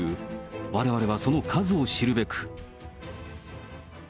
われわれはその数を知るべく。